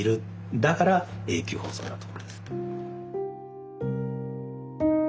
だから「永久保存」だと思います。